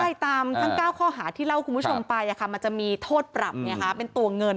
ใช่ตามทั้ง๙ข้อหาที่เล่าคุณผู้ชมไปมันจะมีโทษปรับเป็นตัวเงิน